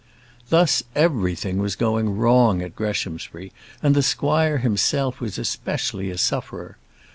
Thus everything was going wrong at Greshamsbury, and the squire himself was especially a sufferer.